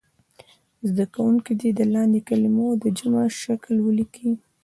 زده کوونکي دې د لاندې کلمو د جمع شکل ولیکي.